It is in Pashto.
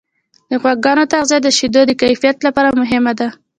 د غواګانو تغذیه د شیدو د کیفیت لپاره مهمه ده.